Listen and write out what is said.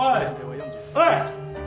はい。